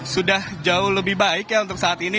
sudah jauh lebih baik ya untuk saat ini